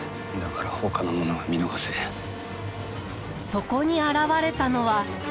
そこに現れたのは。